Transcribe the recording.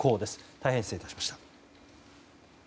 大変失礼いたしました。